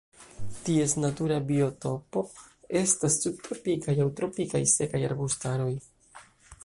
Ties natura biotopo estas subtropikaj aŭ tropikaj sekaj arbustaroj.